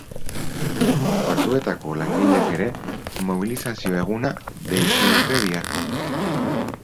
Portuetako langileek ere, mobilizazio eguna deitu dute biharko.